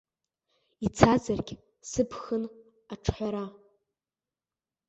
Ицазаргь сыԥхын аҿҳәара.